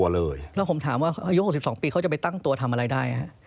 แล้วผมถามว่าอายุ๖๒ปีเขาจะไปตั้งตัวทำอะไรได้